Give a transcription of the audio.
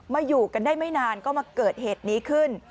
อยู่กันได้ไม่นานก็มาเกิดเหตุนี้ขึ้น